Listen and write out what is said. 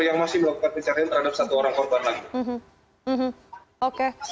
yang masih melakukan pencarian terhadap satu orang korban lagi